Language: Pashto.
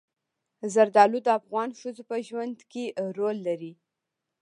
زردالو د افغان ښځو په ژوند کې رول لري.